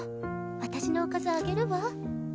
私のおかずあげるわ。